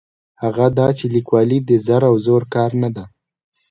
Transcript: هغه دا چې لیکوالي د زر او زور کار نه دی.